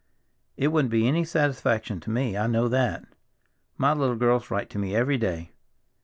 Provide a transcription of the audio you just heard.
It wouldn't be any satisfaction to me, I know that. My little girls write to me every day."